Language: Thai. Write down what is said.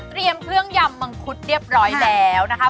เครื่องยำมังคุดเรียบร้อยแล้วนะคะ